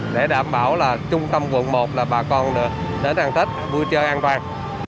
để đảm bảo là trung tâm quận một là bà con được đến hàng tết vui chơi an toàn